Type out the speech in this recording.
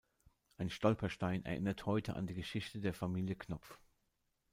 Ein Stolperstein erinnert heute an die Geschichte der Familie Knopf.